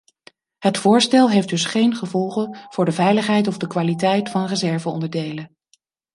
Het voorstel heeft dus geen gevolgen voor de veiligheid of de kwaliteit van reserveonderdelen.